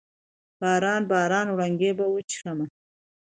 باران، باران وړانګې به وچیښمه